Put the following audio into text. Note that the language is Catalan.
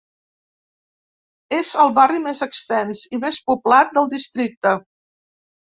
És el barri més extens i més poblat del districte.